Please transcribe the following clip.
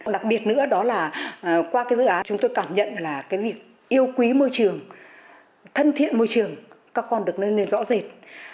đặc biệt nữa đó là qua cái dự án chúng tôi cảm nhận là cái việc yêu quý môi trường thân thiện môi trường các con được nâng lên rõ rệt